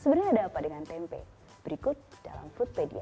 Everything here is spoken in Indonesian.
sebenarnya ada apa dengan tempe berikut dalam foodpedia